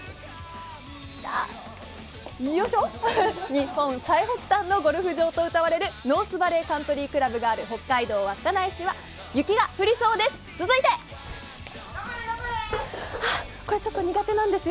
日本最北端のゴルフ場とうたわれるノースバレーカントリークラブがある北海道稚内市は雪が降りそうです。